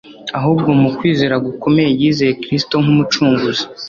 ahubwo mu kwizera gukomeye yizeye Kristo nk’Umucunguzi.